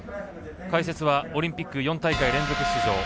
解説はオリンピック４大会連続出場